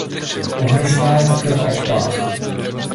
Ohrožená je také v Alpách.